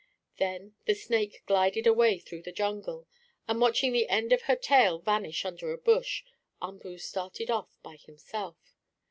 Then the snake glided away through the jungle, and, watching the end of her tail vanish under a bush, Umboo started off by himself.